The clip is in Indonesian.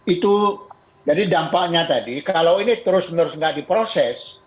itu jadi dampaknya tadi kalau ini terus menerus tidak diproses